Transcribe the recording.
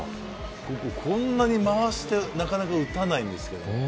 こんなに回してなかなか打たないですよ。